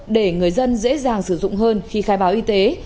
để người dân dễ dàng sử dụng hơn khi khai báo y tế